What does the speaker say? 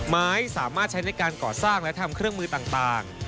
ไม่สามารถใช้ในการก่อสร้างและทำเครื่องมือต่าง